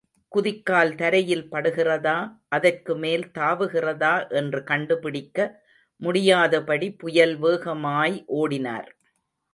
குதிகால் தரையில் படுகிறதா, அதற்குமேல் தாவுகிறதா என்று கண்டுபிடிக்க முடியாதபடி புயல் வேகமாய் ஓடினார்.